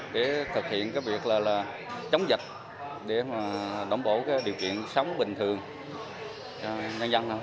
để thực hiện cái việc là chống dịch để đảm bảo điều kiện sống bình thường cho nhân dân